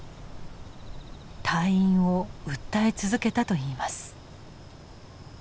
退院を訴え続けたといいます。